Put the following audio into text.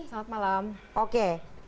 selamat malam oke